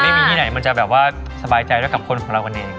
ไม่มีที่ไหนมันจะแบบว่าสบายใจด้วยกับคนของเรากันเอง